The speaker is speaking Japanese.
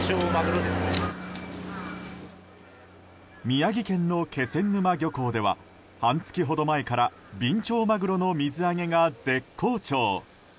宮城県の気仙沼漁港では半月ほど前からビンチョウマグロの水揚げが絶好調。